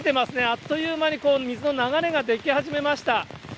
あっという間に水の流れができ始めました。